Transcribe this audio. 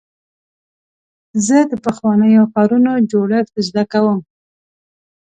زه د پخوانیو ښارونو جوړښت زده کوم.